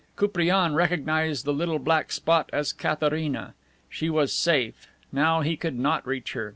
Koupriane recognized the little black spot as Katharina. She was safe. Now he could not reach her.